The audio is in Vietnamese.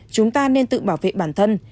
chúng ta nên tự bảo vệ bản thân